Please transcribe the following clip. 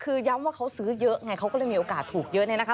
คือย้ำว่าเขาซื้อเยอะไงเขาก็เลยมีโอกาสถูกเยอะเนี่ยนะคะ